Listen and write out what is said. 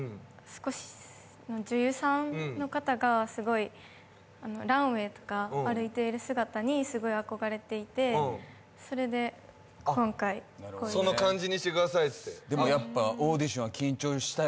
女優さんの方がランウェイとか歩いている姿にすごい憧れていてそれで今回その感じにしてくださいってでもやっぱオーディションは緊張したよね